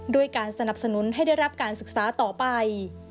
ด้วยการสนับสนุนให้ได้รับการศึกษาต่อไป